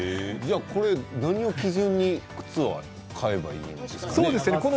何を基準に靴を買えばいいんですか？